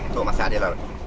tuh masak aja lah